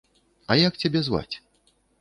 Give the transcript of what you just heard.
А як цябе зваць?